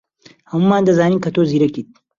ھەموومان دەزانین کە تۆ زیرەکیت.